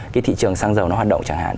cái thị trường xăng dầu nó hoạt động chẳng hạn